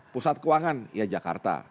pusat keuangan ya jakarta